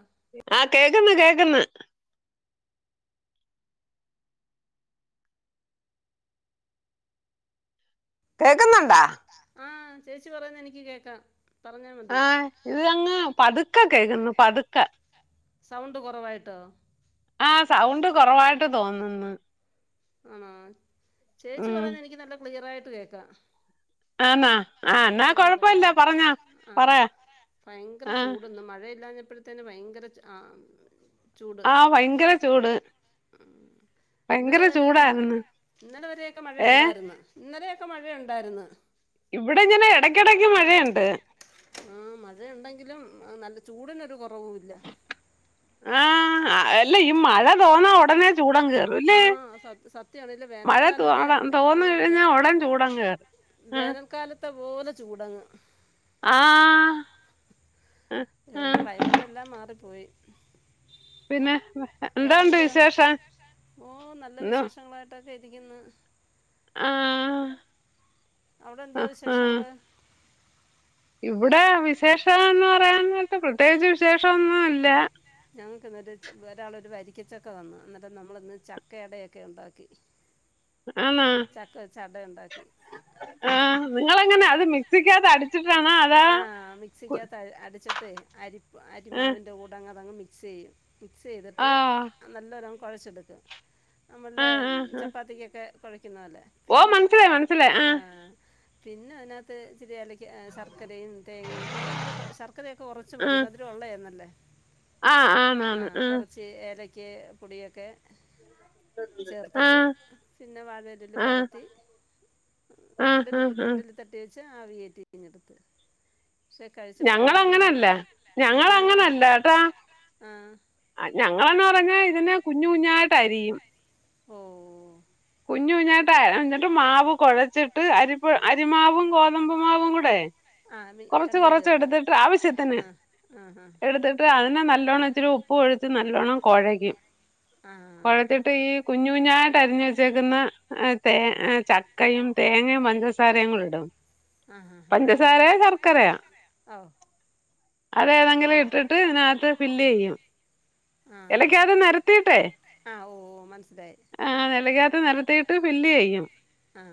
ആം ആഹ് കേൾക്കന്ന്കേൾക്കന്ന് കേൾക്കുന്നുണ്ടാ ആഹ ചേച്ചി പറയന്ന് എനിക്ക് കേക്കാം ആഹ് ഇത് അങ്ങ് പതുക്ക കേക്കുന്നു പതുക്കെ സൗണ്ട് കുറവായിട്ടോ ആഹ സൗണ്ട് കുറവായിട്ട് തോന്നന്ന് ആണോ ചേച്ചി ഉം പറയുന്നത് എനിക്ക് നല്ല ക്ലിയർായിട്ട് കേക്കാം ആണ സന്ത കുറവ ആ പറയാ ഭയങ്കര ആ ചൂടൊന്നും മഴയില്ലാപ്പോഴ തന്നന് ഭയങ്കര ആഹ ഭയങ്കര ചൂട് ഉ ഭയങ്കര ഇന്നലെ വരെയൊക്കെ ചൂടായിരുന്നു ഇന്നലെ വരെയൊക്കെ മഴ ഏ ഉണ്ടായിരുന്നു ഇന്നലെയൊക്കെ മഴയുണ്ടായിരുന്നു ഇവിടെ ഇങ്ങനെ ഇടക്കിടക്ക് മഴയുണ്ട് ആഹ മഴ ഉണ്ടെങ്കിലും നല്ല ചൂടിനൊരു കുറവുല്ല ആഹ അല്ല ഈ മഴ തോന്നാ ഉടനെ ചൂട ങ്ങ് കേ റും ആഹ സത് സത്യന്നാലേ ഇല്ല വേനൽക്കാലത്തെ തോന്ന തോന്ന് ആ വേ കഴിഞ്ഞാ ഉടൻ ചൂടങ്ങ് കേറും ആ വേനൽക്കാലത്തെ പോലെ ചൂടങ്ങ് ആ ആ ആ. ക്ലൈമറ്റ് എല്ലാം മാറിപ്പോയി പിന്നെ എന്താ ഉണ്ട് വേറെന്താ വിശേഷം ഓ നല്ല വിശേഷങ്ങളായിട്ട് ട്ടക്കെ ഇരിക്കുന്നു ആ അവിടെ എന്താ ആഹ് ആഹ് വിശേഷങ്ങള് ഇവിടെ വിശേഷന്ന് പറയാനായിട്ട് പ്രത്യേകിച്ച് വിശേഷം ഒന്നുംല്ല ഞങ്ങൾക്ക് ഇന്നാലേ ഒരാളൊരു വരിക്കച്ചൊക്കെ തന്നു എന്നിട്ടം നമ്മളിന്ന് ചക്ക ഇടയൊക്കെ ഉണ്ടാക്കി ആ ചക്ക വെച്ച് അട ഉണ്ടാക്കി ആഹ നിങ്ങളങ്ങനെ അത് മ സിക്കത അടിച്ചിട്ടാനാ അതാ ആ [unintelligible] മിക്സിക്കകത്ത് അടിച്ചിട്ട് അരി ആഹ് അരിമാവിൻ്റെ കൂടങ്തങ്ങ് മിക്സ് ചെയ്യും മിക്സ് ചെയ്തിട്ട് ആഹ് നല്ല ഒരം കുഴച്ചെടുക്കും നമ്മളുടെ ആഹ് ആഹ് ആഹ് ചപ്പാത്തിക്കൊക്കെ കുഴയ്ക്കുന്ന പോലെ ഓ പിന്നെ മനസ്സിലായി മനസ്സിലായി ആഹ് പിന്നെ അതിനകത്ത് ചിരി അാലക്ക് ശർക്കരയും തേങ്ങയും തേങ്ങൊക്കെ ശർക്കരയൊക്കെ കുറച്ച് മതി ആഹ് അ ള്ളല്ലേ ആഹ് ആ ആന്നാന്ന് ആഹ് കുറച്ച് ഏലക്ക് പൊടൊക്കെ ചേർത്തിട്ട് ആഹ് പിന്നെ വാഴയയിൽ ആഹ് പരത്തി ആഹ് ഇടല ആഹ് ആഹ് ഇടലി തട്ടി വെച്ച ആവിയേറ്റിഞ്ഞെടുത്ത് പക്ഷെ കഴിച്ചപ്പോ എല്ലാർക്കും വേങ്ങ ഞങ്ങളങ്ങനല്ല പിന്നെ നിങ്ങ ഞങ്ങളങ്ങനല്ല ആഹ ഞങ്ങളന്ന പറഞ്ഞാൽ ഇതിനെ കുഞ്ഞഞ് കുഞ്ഞായിട്ട് അരിയും ഓ കുഞ്ഞു കുഞ്ഞായിട്ട് കുഞ്ഞിട്ട് മാവ് കുഴച്ചിട്ട് അരിപ്പ അരിമാവും ഗോതമ്പ്മാവും കൂടെ ആ മീ കൊറച്ച് രണ്ടും കൊറച്ച് ചേർക്കുക എടുത്തിട്ട് ആവശ്യത്തിന് ആ ആ ഹാ എടു അതിനെ നല്ലോണ്ണം ഇച്ചിരി ഉപ്പ് ഒഴിച്ച് നല്ലോണം കുഴകും ആ കുഴത്തിട്ട് ഈ കുഞ്ഞു കുഞ്ഞായിട്ട് അരിഞ്ഞ വെ ക്കുന്ന ചക്കയും തേങ്ങയും പഞ്ചസാരങ്ങള ഇടും ആ ഹാ ഹാ ഹാ പഞ്ചസാരയൊ ശർക്കരയൊ ഓ അത ഏതെങ്കിലും ഇട്ടിട്ട് അതിനകത്ത് ഫില്ല് ചെയ്യും ആഹ ഇലക്കകത്ത് നിരത്തിയിട്ടേ ആഹ ഓ ഓ മനസ്സിലായി ആ നിലകാത്ത നിലത്തിട്ട് വല്യ കഴും ആ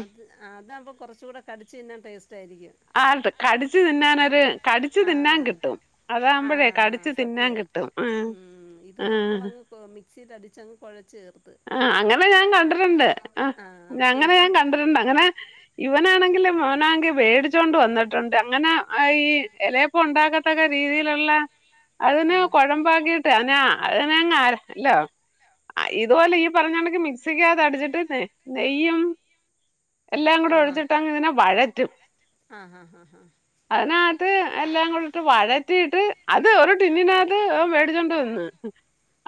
അത് അതാവുമ്പൾ കുറച്ച കൂടെ കടിച്ച് ന്നാൽ ടേസ്റ്റ് ആയിരിക്കും ആട്ട് കടിച്ചു തിന്നാനൊരു കടിച്ചു തിന്നാൻ ആഹ് കിട്ടും അതാകുമ്പോഴേ ആഹ് കടിച്ചു തിന്നാൻ സത്യ കിട്ടും ആ ആ മിക്സിൽ അടിച്ചങ് കുഴച്ച ചേർത്തു ആ അങ്ങനെ ഞാൻ കണ്ടിട്ടുണ്ട് ആ ആഹ് പക്ഷെ അങ്ങനെ ഇത് ഞാൻ കണ്ടിട്ടുണ്ട് അങ്ങനെ ഇവനാണെങ്കിലും അവനാെങ്കിൽ മേടിച്ചൊണ്ട് വന്നിട്ടുണ്ട് അങ്ങനെ ഈ ഇലപ്പ ഉണ്ടാക്കത്തക്ക രീതിയിലുള്ള അതിന് ആഹ് കുഴമ്പ ആക്കിട്ട് ആ അതിനങ്ങ് ആരാ അല്ലോ അതുപോലെ ഈ പറഞ്ഞാണെങ്കി മിക്സിക്കാത അടിച്ചിട്ട് നെയ്യും എല്ലാം കൂടെ ആഹ് ഒഴിച്ചട്ടാങ്ക ഇതിനെ വഴറ്റും ആഹ് ആഹ് ആഹ് ആഹ് അതിനകത്ത് എല്ലാം കൂടിട്ട് വഴറ്റിയിട്ട് അത് ഒരു പിന്നിനകത് മേടിച്ചോണ്ട് വന്ന്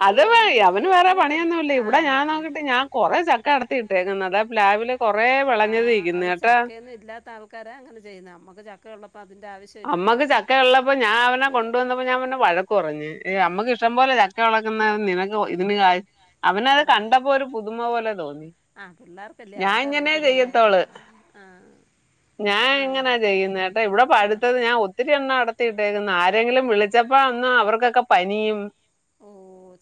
ഓ അത് ഈ ഈ അവന് വേറെ കൂട്ടല്ല പണിയന്ന ആ ഇവിടെ ഞാൻ മ- അം- നോക്കിട്ട് ഞാൻ കൊറെ ചക്ക അടത്തി ഇട്ടേങ്ങുന്നത് അ ലാബില് കുറെ ആ അത് ചക്കയന്ന് ഇല്ലാത്ത ആൾക്കാരെ അങ്ങനെ ചെയ്യുന്ന നമ്മുക്ക് ചക്ക ഉള്ളപ്പോ അതിന്റെ ആവശ്യ അമ്മക്ക് ചക്ക ഉള്ളപ്പോ ഞാൻ അവന കൊണ്ടുവന്നപ്പോ ഞാൻ പിന്നെ വഴക്ക പറഞ്ഞു നമുക്ക് ഇഷ്ടം പോലെ ചക്കവിളക്ക നിനക്ക് ഇതിന് അവനത് കണ്ടപ്പോ ഒരു പുതുമ പോലെ തോന്നി ആ പിള്ളേർക്കല്ലേ ഞാൻ ഇങ്ങനെ അവർക്കറിയത്തില്ലല്ലേ ചെയ്യത്തോള് ആഹ ഞാൻ ഇങ്ങനാ ചെയ്യുന്നേഏട്ടാ ഇവിടെ പഴുത്തത് ഞാൻ ഒത്തിരി എണ്ണം അടത്തിയിട്ടേക്കന്ന് ആരെങ്കിലും വിളിച്ച ച്ചപ്പോ അന്ന് അവർക്കൊക്കെ പനിയും ഓ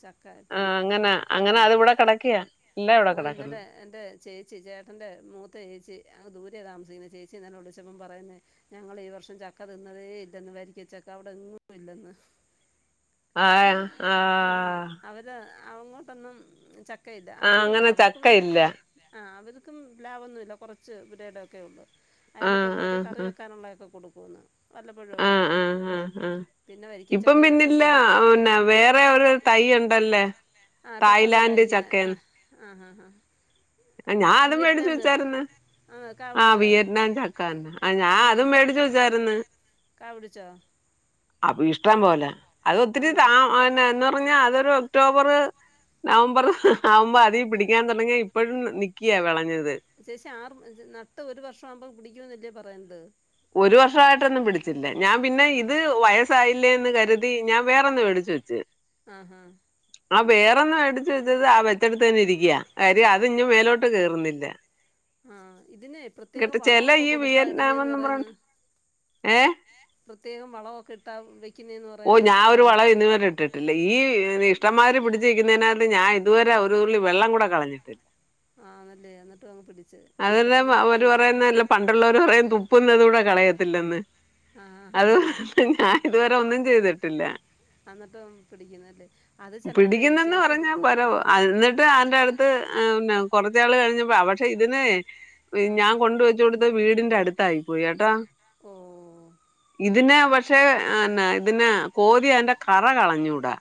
ചക്ക ആ ഇപ്പം അങ്ങനെ ഓ അങ്ങനെ അതി ഇവിടെ കിടക്കിയാ ഇല്ല ഇവിടെ ഓ കിടക്കുന്നു ഇന്നലെ എൻ്റെ ചേച്ചി ചേട്ടൻ്റെ മൂത്ത ചേച്ചി അത് ദൂരാണ് താമസിക്കുന്നത് ചേച്ചിന്ന്ന്നെ വിളിച്ചപ്പം പറയുന്നത് ഞങ്ങൾ ഈ വർഷം ചക്ക തിന്നതേ ഇല്ലെന്ന് വരിക്കാ ചക്ക അവിടെങ്ങും ഇല്ലെന്ന് ആഹ ആഹ ഇത് അങ്ങോട്ടൊന്നും ചക്ക ഇല്ല ആഹ് അവർക്ക് അങ്ങനെ അവർക്ക് ചക്ക പിന്നെ ഇല്ല ആഹ് അവർക്കും പ്ലാവ് ഒന്നുമില്ല കുറച്ച് പുരേടം ഒക്കെ ഉള്ളൂ ആഹ് അയലത്തുള്ളവരെ ഒരു കറി ആഹ് വെക്കാനുള്ളതൊക്കെ കൊടുക്കുമന്ന് വല്ലപ്പോഴൊക്കെ ആഹ് ആഹ് കിട്ടുമന്ന് ആഹ് ആഹ് ആഹ് പിന്നെ വ ഇപ്പം പിന്നില്ല പിന്ന വേറെ ഒരു തൈ ഉണ്ടല്ലേ ആഹ് പെട്ടന്ന് തായ്ലാന്റ് കായിക്കുന്ന ചക്കയെന്ന് ആഹ് ആഹ് ആഹ് ആഹ് ഞാൻ അതും വേടിച്ചു വെച്ചായിന്ന് ആ കാ ആഹ് പിടിച്ചോ വിയറ്റ്നാം ചക്കാന്നെ ആഹ് ഞാൻ അതും മേടിച്ച് വേച്ചാരുന്ന് ക്ക പിടിച്ചോ അപ്പൊ ഇഷ്ടം പോല അത് ഒത്തിരി ആണോ താ പിന്ന എന്ന് പറഞ്ഞാ അതൊരു ഒക്ടോബർ നവംബർ ആവുമ്പോ അധി പിടിക്കാൻ തുടങ്ങിയ ഇപ്പഴും നിക്കിയാ വിളഞ്ഞത് അത്യവശ്യം ആറ് നട്ട് ഒരു വർഷം ആവുമ്പോൾ പിടിക്കുംന്നില്ലേ പറയണ്ട് ഒരു വർഷമായിട്ടൊന്നും പിടിച്ചില്ല ഞാൻ പിന്നെ ഇത് വയസായില്ലേ എന്ന് കരുതി ഞാൻ വേറൊന്ന് മേടിച്ച വെച്ച് ആഹ് ആഹ് ആ ആഹ് മേടിച്ച് വേറൊന്ന് വെച്ചത് ആ വണ്ടട്ട് ആഹ് വെച്ചെടുത്ത് വെച്ചടുത്ത് തന്നെ ഇരിക്കയാ ഇരിക്ക അത് ഇഞ്ഞ് കാര്യം അതി മേലോട്ട് കേറുന്നില്ല കേ ആഹ് ഇതിനെ പ്രത്യേക കിട്ട ചെല വളമൊക്കെ ഈ കൊടുത്താ ഇടുന്നേന്ന് വിയറ്റ്നാമെന്നും പറയന്ന് പറഞ്ഞ് ഏഹ് പ്രത്യേക വളൊക്കെ ഇട്ടാ വെക്കുന്നേന്ന് ഓ പറയുന്ന് ഞാൻ ഒരു ഉള്ളതാണോ വളവ ഇന്ന് വരെ ഇട്ടിട്ടില്ല ഈ ഇഷ്ടംമാതിരി പിടിച്ചിരിക്കുന്നതിനകത്ത് ഞാൻ ഇതുവരെ ഒരു തുള്ളി വെള്ളം കൂടെ കളഞ്ഞിട്ടില്ല ആഹ് അല്ലേ എന്നിട്ട് അങ്ങ് പിടിച്ചത് അതല്ല ചെിലപ്പോ നല്ല അവര് പേല്ല പറയുന്നല്ല പണ്ടുള്ളവര് പറയും തുപ്പുന്നത് കൂടെ കളയത്തില്ലന്ന് ആഹ് അത് ആഹ് ഞാൻ ഇതുവരെ ഒന്നും ചെയ്തിട്ടില്ല എന്നിട്ടും പിടിക്കുന്നല്ലേ അത് ചെലപ്പഴേ പിടിക്കുന്നെന്ന് ചേച്ചി പറഞ്ഞാ പരവ് എന്നിട്ട് അറെ അടുത്ത് പിന്നെ കൊറച്ച് നാൾ കഴിഞ്ഞപ്പോ പക്ഷെ ഇതിനെ ആഹ് ഞാൻ കൊണ്ടുവെച്ച കൊടുത്ത വീടിന്റെ അടുത്തായി പോയിട്ടോ ഓ ഇതിന് പക്ഷേ എന്നാ ഇതിനെ കോരി അതിന്റെ കറ കളഞ്ഞൂടാ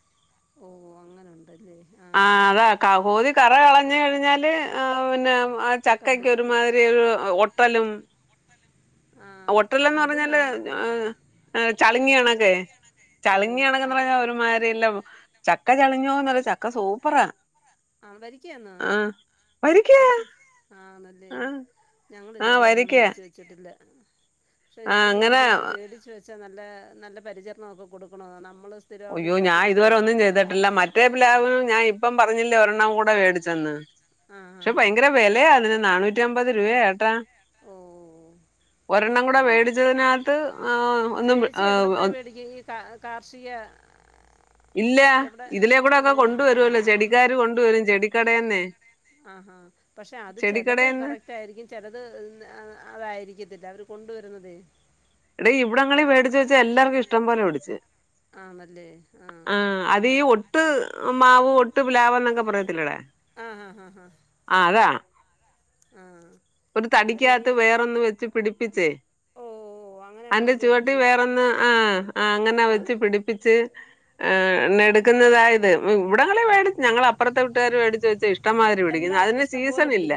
ഓ അങ്ങനെ ഉണ്ടല്ലേ ആഹ് അതാ കോതി കറ കളഞ്ഞു കഴിഞ്ഞാല് പിന്നെ ആഹ് ചക്ക ചക്കക്ക് ഒരുമാതിരി ഒരു ഒട്ടലും ഒട്ടലും ഒട്ടലന്ന് പറഞ്ഞാല് അഹ് ചളിങ്ങിയ കണക്കേ ഓ ചളിങ്ങി കണക്കെന്ന് പറഞ്ഞാൽ ഒരുമാരില്ല അഹ് വരിക്കന്നോ ആ വരിക്കയാ ആണല്ലേ ആ ആ ഞങ്ങളിതുവരെ അതൊന്നും വരിക്കയാ മേടിച്ച് ച്ച്ട്ടില്ല. പക്ഷേ ആ ഞാൻ അങ്ങനെ വിചാരിക്ക്ന്നത് വേടിച്ച് വേച്ച് നല്ലേ നല്ല പരിചരണൊക്കെ കൊടുക്കണോനാണ് നമ്മൾ സ്ഥിരം അവിടെ അയ്യോ ഞാൻ ഇല്ലാത്തത് കൊണ്ട് ഇതുവരെന്നും ചെയ്തട്ട് ഇല്ല മറ്റേ പ്ലാവ് ഞാൻ ഇപ്പം പറഞ്ഞില്ലേ ഒരെണ്ണം കൂടെ വേടിച്ചെന്ന് ആ ആ പക്ഷെ ആ ഭയങ്കര വെലെയാ അതിന് നാനൂറ്റി അമ്പത് രൂപയാട്ടാ ഓ ഒരെണ്ണം ആ കൂടെ വെടിച്ചതിനകത്ത് ആഹ് ഒന്നും ചേച്ചി എവിടെ അഹ് പോയി മേടിക്കും ഈ കാ കാർഷിക ഇല്ലാ എവിടെ ഇതിലെ കൂടെ ഒക്കെ പിന്നെ കൊണ്ടുവരുല്ലോ ചെടിക്കാര് കൊണ്ട വരും ചെടിക്കടന്നെ ആഹ് പക്ഷെ അത് ചിലത് കറക്റ്റ് അയിരിക്കും ചെലത് അതായിരിക്കത്തില്ല അവര് കൊണ്ടുവരുന്നതേ എടെ ഇവിടങ്ങളീ വേടിച്ച് വെച്ച് എല്ലാർക്കും ഇഷ്ടം പോലെ പിടിച്ച് ആണല്ലേ ആ ആഹ് അത് ഈ ഒട്ട് മാവ് ഒട്ട് പ്ലാവ് എന്നൊക്കെ പറയത്തില്ലടാ ആഹ് ആഹ് ആഹ് ആഹ് ആരാ ആഹ് ഒരു തടിക്കകത്ത് വേറൊന്ന് വെച്ച് പിടിപ്പിച്ചേ ഓ ഓ അങ്ങനെ അന്റെ നമ്മളും ചുവട്ടി കേട്ടിട്ടുണ്ട് വേറെന്ന് ആഹ് ആഹ് അങ്ങനെ ആ വെച്ച് പിടിപ്പിച്ച് ആഹ് ആ ണ് എടുക്കുന്നതാ ഇത് വ് ഇവിടങ്ങളി വേടി ഞങ്ങളെ അപ്പറത്തെ വീട്ടുകാർ മേടിച്ചു വെച്ച് ഇഷ് ഇഷ്ട മാതിരി പിടിക്കുന്നു അതിന് സീസണി ഇല്ല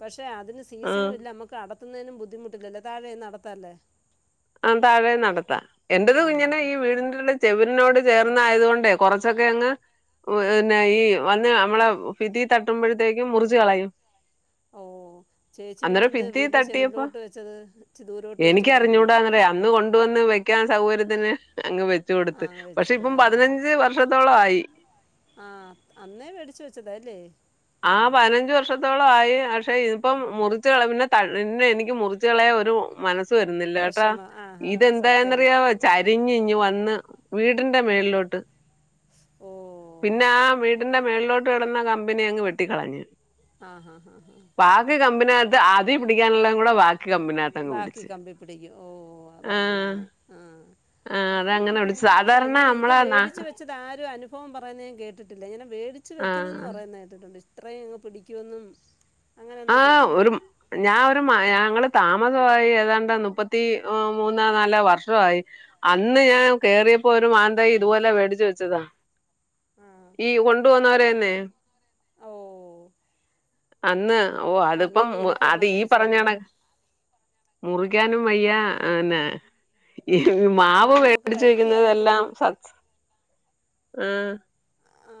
പക്ഷെ അതിന് ആ സീസണും ഇല്ല നമ്മുക്ക് അടത്തുന്നതിനും ബുദ്ധിമുട്ടില്ലല്ലോ താഴെയിന്നു അടുത്തല്ലേ ആഹ് താഴെ അടത്താ എന്റെതും ഇങ്ങനെ ഹാ. ഈ വീടിന്റെ ചെവിരിനോട് ചേർന്ന ആയതു കൊണ്ടേ കൊറച്ചൊക്കെ അങ്ങ് അഹ് നെ ഈ വന്ന് നമ്മള്ളെ ഫിതി തട്ടുമ്പോഴത്തേക്കും മുറിച്ച് കളയും ഓ ചേച്ചി പിന്നെ അന്നേരം എന്ത് ഫിത്തി വീടിന്റെ തട്ടിയപ്പോ ചെവരിലോട്ട് വെച്ചത് ച്ദൂരോട്ട് വെച്ചൂടായിരുന്നോ ന്തറയാ അന്ന് കൊണ്ടുവന്ന് വെക്കാൻ സൗകര്യത്തിന് അങ്ങ് വെ വെച്ച് ആ കൊടുത്ത് പക്ഷെ ഇപ്പം പതിനഞ്ച് വർഷത്തോളം ആയി ആഹ് അന്നേ വേടിച്ച് വെച്ചത അല്ലേ ആ പതിനഞ്ച് വർഷം ത്തോള ആയി പക്ഷെ ഇതിപ്പം മുറിച്ച് കളയും പിന്നെ തളിര് എനിക്ക് മുറിച്ച്കളയ ഒരു മനസ് സ് വരുന്നില്ല ട്ടാ വിഷമം ആ ഹാ സത്യമാണ് ഇതെന്തായന്നറിയാവൊ ചരിഞ്ഞിങ് വന്ന് വീട്ന്റെ ആ മേളിലോട്ട് ഓ പിന്നെ ആ വീടിന്റെ മേളിലോട്ട് കടന്ന കമ്പനി അങ്ങ് വെട്ടിക്കളയാ ആഹ് ആഹ് ഈ കമ്പിനകത്ത് ആദ്യ പിടിക്കാനുള്ള കൂടെ വാക്ക് കമ്പിനകത്ത് അങ്ങ് ബാക്കി പിടിച്ച് കമ്പി പിടിക്കും ഓഹ് ആഹ് അതങ്ങനെയാണ് ആഹ് ആഹ് അത അങ്ങനെ പക്ഷെ ഇങ്ങനെ ഇത് വേടച്ച് വെച്ച ച്ചതാരും അനുഭവം പറുന്നത് ഞാൻ കേട്ടിട്ടില്ല ഞാന് വേടിച്ച് വെക്കുതെന്നെന്ന് ആഹ് പറയുന്ന കേട്ടിട്ടുണ്ട് ഇത്രയും അങ് പിടിക്കുവെന്നും ആഹ്‌ ഒരു ഞാൻ ഒരു മയ ങ്ങള് താമസവായി ഏതാണ്ട് മുപ്പത്തി അ, ഹ് മൂന്നാ നാല വർഷവായി അന്ന് ആ ഞാൻ കയറിയപ്പോ ഒരു മാ തൈ ഇതുപോലെ വേടിച്ചു വെച്ചതാ ആ ഈ കൊണ്ട് വന്നവരെന്നേ ഓഹ്‌ അന്ന് ഓ അതിപ്പം ഇനി എനിക്ക് അത് ഒരെണ്ണം ഈ മേടിച്ച് പറഞ്ഞണ വെക്കണം മുറിക്കാനും ആ വയ്യന്നെ ആ മാവ് നമുക്ക് വേടിച്ച വരിക്കയായോണ്ട് വെക്കുന്നതെല്ലാം വെട്ടി സത് ആ ആ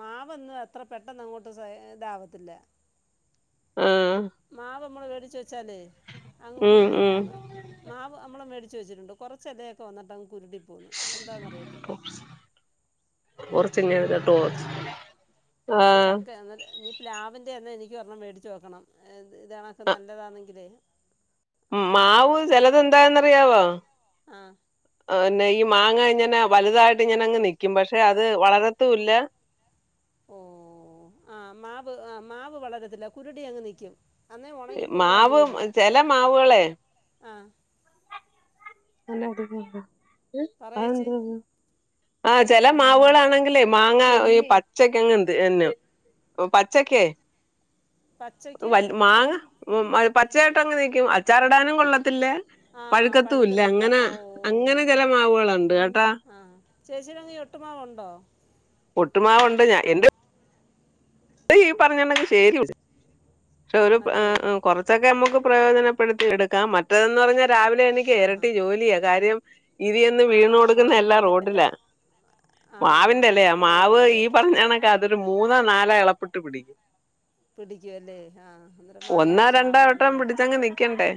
മാവന്ന് അത്ര പെട്ടെന്ന് അങ്ങോട്ട് ഇതാവത്തില്ല ആഹ് മാവ്മ്മള മേടിച്ച വെച്ചാലേ അങ്ങ് ഉം കുരുടി ഉം പോന്ന് മാവ്മ്മ മേടിച്ച് വച്ചിട്ടുണ്ട് കുറച്ച ഇിലയക്കെ വന്നിട്ട്ങ് കുരുട്ടി പോന്ന് എന്താണെന്ന്റിയത്തില്ല കുറച്ച്ങ്ങ ടോച്ച് ആഹ ചക്ക എന്നാൽ ഇനി പ്ലാവിൻ്റെ തന്നെ എനിക്ക് പറഞ്ഞണം മേടിച്ചച്ച് വക്കണം ഇതാണൊക്കെ അഹ് നല്ലതാണെങ്കിൽ മാവ് ചിലതെന്താന്നറിയാവോ ആ പിന്നെ ഈ മാങ്ങ ഇങ്ങനെ വലുതായിട്ട് ഇഞനൻ അങ്ങ് നിൽിക്കും പക്ഷെ അത് വളർത്തും ഇല്ല ഓ ആ് മാവ് ആ മാവ് വളരത്തില്ല കുരുടി അങ്ങ് നിക്കും അന്നേ ഉണങ്ങിപ്പോക മാവ് അതും ഇല്ല ചെല മാവുകളെ ആ പറയേച്ചി [inaudible] ആ ചില മാവുകളാണെങ്കിൽേ മാങ്ങ ഈ പച്ചക്കങ്ങ് എന്ത് എന്നന്നെ പച്ചക്കേ പച്ചയ്ക്ക് വ മാങ്ങ പച്ചയായിട്ട അങ്ങങ് നക്കും അച്ചാറിടാനും കൊള്ളത്തില്ലേ ആ പഴുക്കത്ത ഇല്ല പഴുക്കത്തില്ല അങ്ങനെ ആ, അങ്ങനെ ഓ ചില മാവുകളുണ്ട് കേട്ടാ ചേച്ചിയുടെങ്ക എട്ട്മാവുണ്ടോ ഒട്ടുമാവ കൊണ്ട് ഞാൻ എന്റെ അ ഈ പറഞ്ഞട്ടണ്ടെങ്കിൽ ശരി പക്ഷെ ഒരു ആണല്ലേ കുറച്ച് ഇതൊക്കെ നമുക്ക് പ്രയോജനപ്പെടുത്തി എടുക്കാം മറ്റതെന്ന് പറഞ്ഞാൽ രാവിലെ എനിക്ക് ആഹാ ഇരട്ടി ജോലിയാ കാര്യം ഇതിയന്ന് ആ വീണ് കൊടുക്കുന്ന എല്ല മാവിൻ്റെ ഇല റോഡിലാ എല്ലാം ആ മാവിന്റെ അല്ലേ ഓ മാവ് ഈ പറഞ്ഞാണ അതൊരു മൂന്നോ നാലോ ഇളപ്പെട്ട് പിടിക്കും പിടിക്കുമല്ലേ ആ അന്നേരം ഒന്നാ മാങ്ങയ്ക്ക് രണ്ടോ വട്ടം ക്ഷാമമില്ലല്ലോ പിടിച്ചങ്ങ് നിക്കണ്ടെ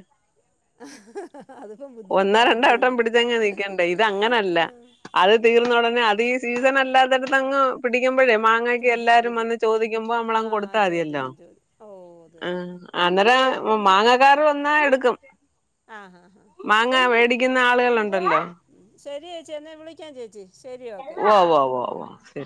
അതിപ്പം ഒന്നാ ബുദ്ധിമുട്ടായില്ലേ രണ്ടാവട്ടം പിടിച്ചങ്ങെ നിക്കണ്ട ഇത് അങ്ങനല്ല ആ, അത് തീർന്ന ഉടനെ അത് ഈ സീസൺല്ലാത്തടത്ത് അങ്ങ് പിടിക്കുമ്പോഴേ മാങ്ങക്കി പിടിക്കും എല്ലാവാരും പിടിക്കും വന്നി ചോദിക്ക്പോ ആ നമ്മളങ് കൊടുത്താൽ മതിയല്ലോ ചോദിക്കും ചോദിക്കും ഓ അത് തന്നെ അന്നേര മാങ്ങ വേറെ വന്നാ എടുക്കും ആഹ് ആഹ ആഹ മാങ്ങ മേടിക്കുന്ന ആളുകളുണ്ടല്ലോ ശരി ചേച്ചി എന്നാ വിളിക്കാം ചേച്ചി ശരി ഓക്കെ ആവ ആ ആവ ശെ